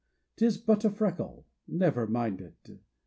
'Tis but a freckle, never mind it!